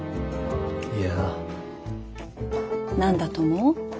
いや。何だと思う？